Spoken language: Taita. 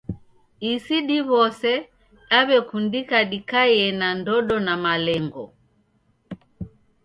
Isi diw'ose daw'ekundika dikaiye na ndodo na malengo.